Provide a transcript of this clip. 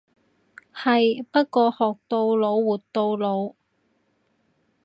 係，不過學到老活到老。